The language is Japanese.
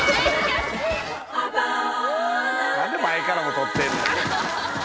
何で前からも撮ってんねん。